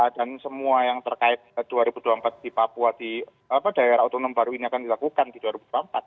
dan semua yang terkait dua ribu dua puluh empat di papua di daerah otonom baru ini akan dilakukan di dua ribu dua puluh empat